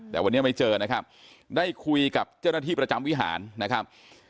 แต่วันนี้ไม่เจอนะครับได้คุยกับเจ้าหน้าที่ประจำวิหารนะครับ